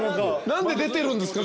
「何で出てるんですか？